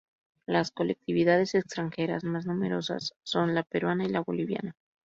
Las colectividades extranjeras más numerosas son la peruana y la boliviana.